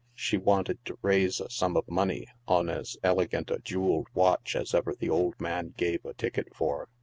She wanted to raise a sum of money on as elegant a jeweled watch as ever the old man gave a ticket for.